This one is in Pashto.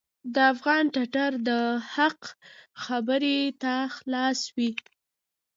د افغان ټټر د حق خبرې ته خلاص وي.